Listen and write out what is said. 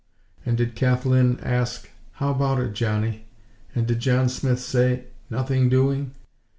And did Kathlyn ask: "How about it, Johnny?" and did John Smith say: "Nothing doing"?